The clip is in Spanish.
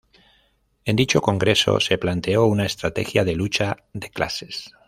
En dicho congreso se planteó una estrategia de lucha de clases.